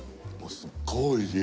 すごいおいしい